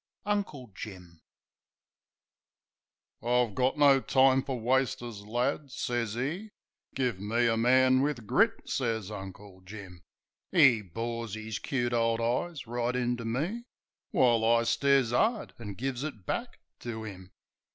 Uncle Jim GOT no time fer wasters, lad," sez 'e "Give me a man wiv grit," sez Uncle Jim. 'E bores 'is cute ole eyes right into me. While I stares 'ard an' gives it back to 'im.